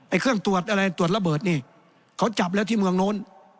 เครื่องตรวจอะไรตรวจระเบิดนี่เขาจับแล้วที่เมืองโน้น